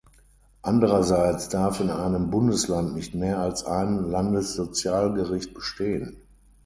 Andererseits darf in einem Bundesland nicht mehr als ein Landessozialgericht bestehen.